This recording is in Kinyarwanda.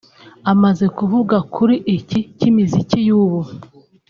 Amaze kuvuga kuri iki cy’imiziki y’ubu